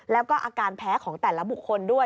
แล้วก็อาการแพ้ของแต่ละบุคคลด้วย